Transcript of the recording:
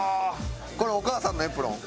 これお母さんのエプロン？